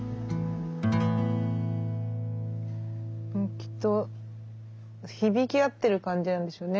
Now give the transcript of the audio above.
きっと響き合ってる感じなんでしょうね。